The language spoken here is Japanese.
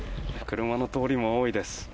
車の通りも多いです。